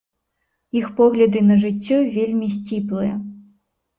Іх погляды на жыццё вельмі сціплыя.